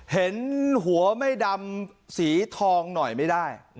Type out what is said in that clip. เห็นหัวไม่ดำสีทองหน่อยไม่ได้